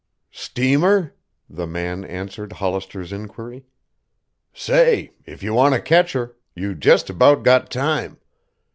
"Steamer?" the man answered Hollister's inquiry. "Say, if you want to catch her, you just about got time.